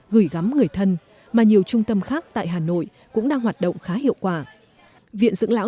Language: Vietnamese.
gửi gắm người thân mà nhiều trung tâm khác tại hà nội cũng đang hoạt động khá hiệu quả